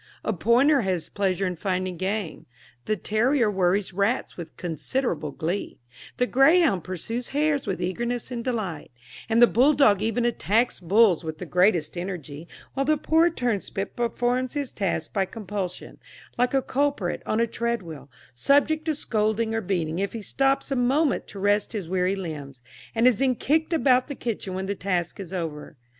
A pointer has pleasure in finding game, the terrier worries rats with considerable glee, the greyhound pursues hares with eagerness and delight, and the bull dog even attacks bulls with the greatest energy, while the poor turnspit performs his task by compulsion, like a culprit on a tread wheel, subject to scolding or beating if he stops a moment to rest his weary limbs, and is then kicked about the kitchen when the task is over.